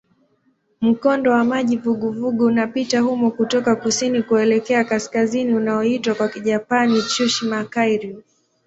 Mkondo wa maji vuguvugu unapita humo kutoka kusini kuelekea kaskazini unaoitwa kwa Kijapani "Tsushima-kairyū".